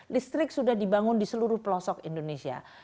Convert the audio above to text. listrik sudah dibangun di seluruh pelosok indonesia